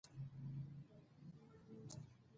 کمپیوټر هره ورځ نوي معلومات ذخیره کوي.